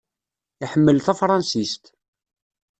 Iḥemmel tafṛansist.